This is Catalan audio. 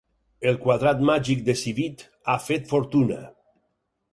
El quadrat màgic de Civit ha fet fortuna.